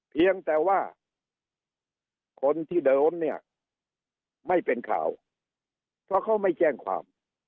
เพียงแต่ว่าคนที่เดิมเนี่ยไม่เป็นข่าวเพราะเขาไม่แจ้งความ